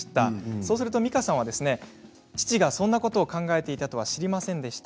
そうするとみかさんは父がそんなことを考えていたとは知りませんでした。